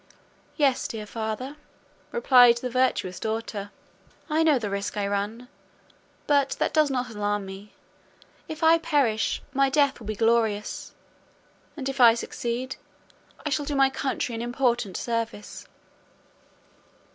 "Yes, dear father," replied the virtuous daughter, "I know the risk I run; but that does not alarm me. If I perish, my death will be glorious; and if I succeed, I shall do my country an important service."